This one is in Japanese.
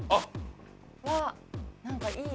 うわっ何かいい。